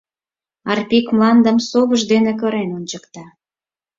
Арпик мландым совыж дене кырен ончыкта.